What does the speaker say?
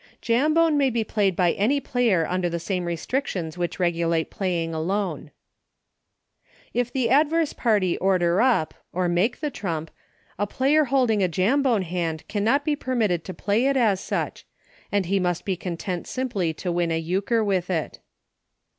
Jambone may be played by any player under the same restrictions which regulate Playing Alone. If the adverse party order up, or make the trump, a player holding a Jambone hand can not be permitted to play it as such, and he must be content simply to win a Euchre with it.